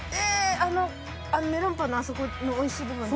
あのメロンパンのあそこのおいしい部分ですよね？